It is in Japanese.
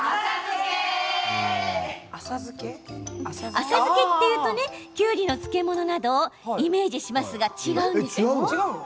あさづけというときゅうりの漬物などをイメージしますが違うんですよ。